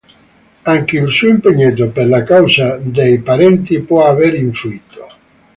Anche il suo impegno per la causa dei parenti può aver influito.